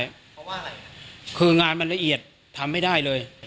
เพราะว่าอะไรครับคืองานมันละเอียดทำไม่ได้เลย